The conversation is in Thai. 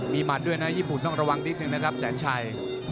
มีหมัดด้วยนะญี่ปุ่นต้องระวังนิดนึงนะครับแสนชัย